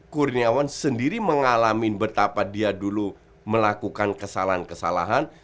kurniawan sendiri mengalami betapa dia dulu melakukan kesalahan kesalahan